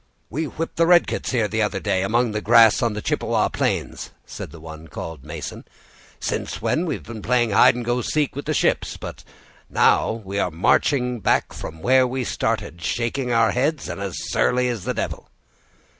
"We whipped the redcoats here the other day, among the grass on the Chippewa plains," said the one who was called Mason; "since when, we have been playing hide and go seek with the ships: but we are now marching back from where we started, shaking our heads, and as surly as the devil."